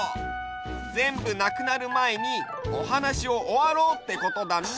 ぜんぶなくなるまえにおはなしをおわろうってことだね！